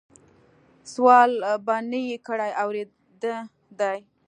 سوال به نه کړې اورېده دي